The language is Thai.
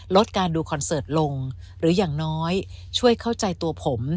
ลดการดูคอนเสิร์ตลงหรืออย่างน้อยช่วยเข้าใจตัวผม